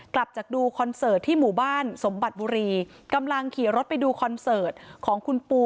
กลับจากดูคอนเสิร์ตที่หมู่บ้านสมบัติบุรีกำลังขี่รถไปดูคอนเสิร์ตของคุณปู